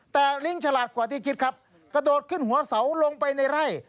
แต่ลิงก์ฉลาดกว่าที่คิดครับกระโดดขึ้นหัวเสาลงไปในไร่